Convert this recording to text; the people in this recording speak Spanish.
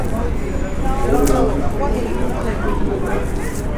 Puede darse como algo deliberado.